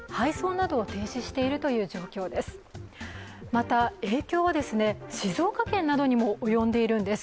また、影響は静岡県などにも及んでいるんです。